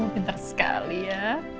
pintar sekali ya